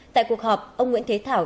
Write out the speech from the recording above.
tại cuộc họp ông nguyễn thế thảo